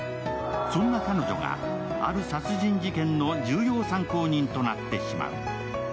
そんな彼女がある殺人事件の重要参考人となってしまう。